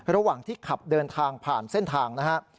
ระหว่างที่ขับเดินทางผ่านเส้นทางนะครับ